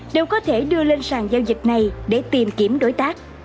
đều có thể đưa lên sàn giao dịch này để tìm kiếm đối tác